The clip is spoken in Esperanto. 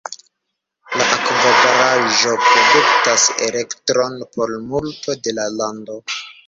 La akvobaraĵo produktas elektron por multo de la lando.